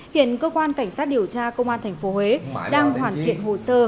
hiện cơ quan cảnh sát điều tra công an tp huế đang hoàn thiện hồ sơ